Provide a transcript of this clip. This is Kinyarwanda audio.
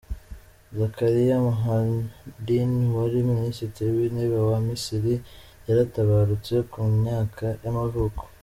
Zakaria Mohieddin, wari minisitiri w’intebe wa Misiri yaratabarutse, ku myaka y’amavuko.